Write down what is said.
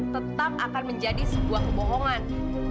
tetap akan menjadi sebuah kebohongan